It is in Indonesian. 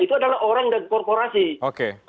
itu adalah orang dan korporasi